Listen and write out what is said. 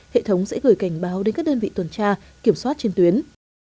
hệ thống sẽ gửi cảnh báo đến các đơn vị tuần tra kiểm soát trên tuyến